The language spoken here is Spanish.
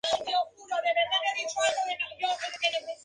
Gordon es un brillante redactor de eslóganes para una agencia de publicidad.